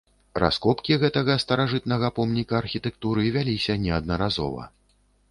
Раскопкі гэтага старажытнага помніка архітэктуры вяліся неаднаразова.